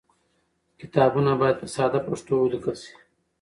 کتابونه باید په ساده پښتو ولیکل شي.